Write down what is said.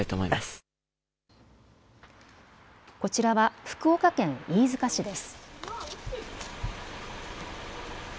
こちらは福岡県飯塚市です。